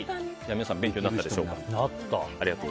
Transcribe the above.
皆さん勉強になったでしょうか。